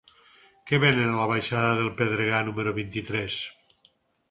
Què venen a la baixada del Pedregar número vint-i-tres?